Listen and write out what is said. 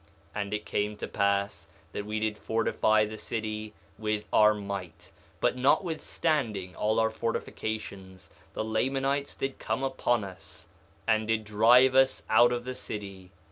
And it came to pass that we did fortify the city with our might; but notwithstanding all our fortifications the Lamanites did come upon us and did drive us out of the city.